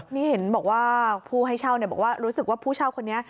นี่เห็นบอกว่าผู้ให้เช่าบอกว่ารู้สึกว่าผู้เช่าคนนี้